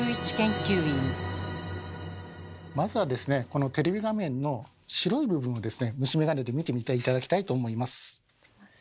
このテレビ画面の白い部分をですね虫眼鏡で見てみて頂きたいと思います。